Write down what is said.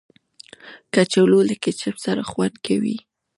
کچالو له کیچپ سره خوند کوي